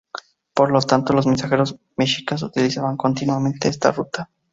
Por lo tanto, los mensajeros mexicas utilizaban continuamente esta ruta.